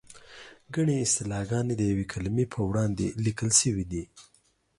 ګڼې اصطلاحګانې د یوې کلمې په وړاندې لیکل شوې دي.